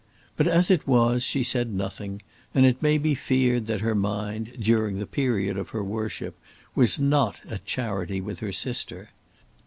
But as it was she said nothing; and it may be feared that her mind, during the period of her worship, was not at charity with her sister.